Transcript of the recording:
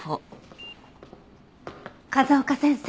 風丘先生。